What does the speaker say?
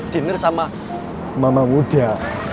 dinner sama mama muda